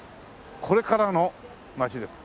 これからの街です。